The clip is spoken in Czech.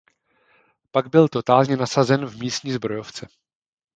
Pak byl totálně nasazen v místní zbrojovce.